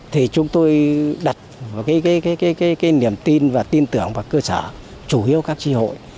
thì chúng tôi đặt niềm tin và tin tưởng vào cơ sở chủ yếu các tri hội